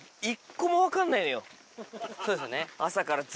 そうですよね。